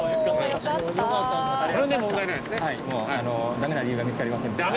ダメな理由が見付かりませんでした。